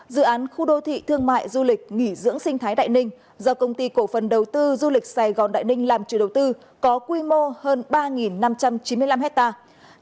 dự án khu đô thị thương mại du lịch nghỉ dưỡng sinh thái đại ninh do công ty cổ phần đầu tư du lịch sài gòn đại ninh làm chủ đầu tư có quy mô hơn ba năm trăm chín mươi năm hectare